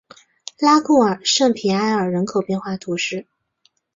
拉库尔圣皮埃尔人口变化图示